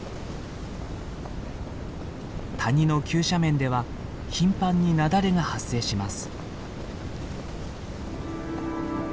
谷の急斜面では頻繁に雪崩が発生します。